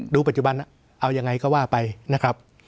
ปัจจุบันเอายังไงก็ว่าไปนะครับ